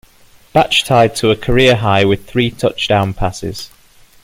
Batch tied a career-high with three touchdown passes.